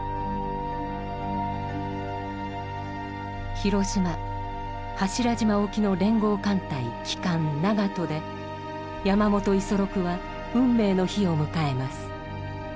広島柱島沖の連合艦隊旗艦「長門」で山本五十六は運命の日を迎えます。